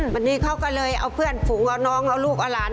วันนี้เขาก็เลยเอาเพื่อนฝูงเอาน้องเอาลูกเอาหลาน